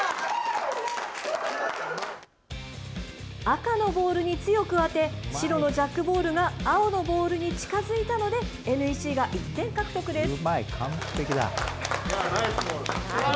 赤のボールに強く当て白のジャックボールが青のボールに近づいたのでＮＥＣが１点獲得です。